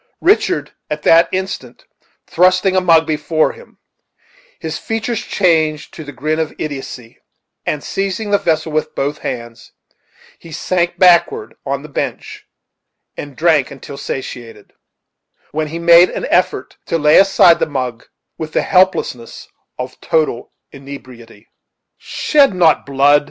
Richard at that instant thrusting a mug before him, his features changed to the grin of idiocy, and seizing the vessel with both hands, he sank backward on the bench and drank until satiated, when he made an effort to lay aside the mug with the helplessness of total inebriety. "Shed not blood!"